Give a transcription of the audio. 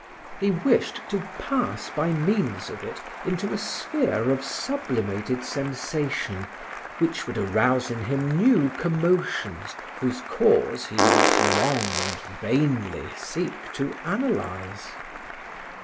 He wished to pass by means of it into a sphere of sublimated sensation which would arouse in him new commotions whose cause he might long and vainly seek to analyze.